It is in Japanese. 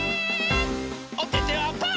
おててはパー！